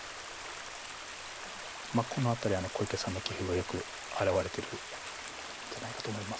この辺り小池さんの棋風がよく表れてるんじゃないかと思います。